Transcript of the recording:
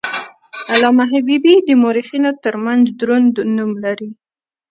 علامه حبیبي د مورخینو ترمنځ دروند نوم لري.